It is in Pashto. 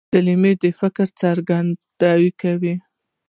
کلیمه د فکر څرګندونه کوي.